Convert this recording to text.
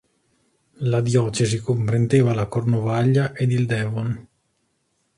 La diocesi comprendeva la Cornovaglia ed il Devon.